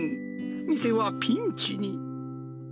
店はピンチに。